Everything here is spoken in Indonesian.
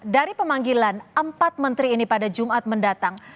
dari pemanggilan empat menteri ini pada jumat mendatang